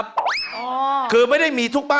สวัสดีค่ะ